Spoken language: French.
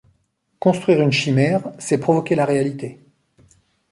Construire une chimère, c’est provoquer la réalité.